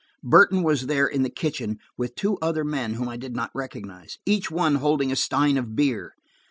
Burton was there in the kitchen, with two other men whom I did not recognize, each one holding a stein of beer.